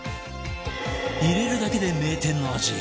入れるだけで名店の味！